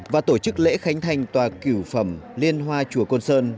và tổ chức lễ khánh thành tòa kiểu phẩm liên hoa chùa côn sơn